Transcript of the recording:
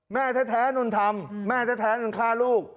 แม่แท้นนทำแม่แท้นนฆ่าลูก